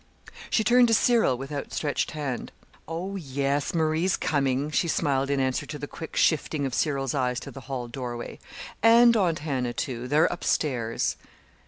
She turned to Cyril with outstretched hand. "Oh, yes, Marie's coming," she smiled in answer to the quick shifting of Cyril's eyes to the hall doorway. "And Aunt Hannah, too. They're up stairs."